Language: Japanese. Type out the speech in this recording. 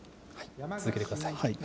続けてください。